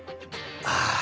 ああ！